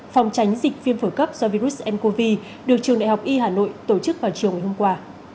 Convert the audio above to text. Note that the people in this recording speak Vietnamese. phòng tránh dịch viêm phổi cấp do virus ncov được trường đại học y hà nội tổ chức vào chiều ngày hôm qua